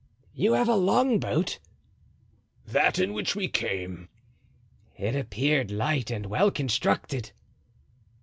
You have a longboat?" "That in which we came." "It appeared light and well constructed."